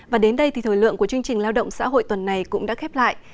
và đến đây thì thời lượng của chương trình lao động xã hội tuần này cũng đã khép lại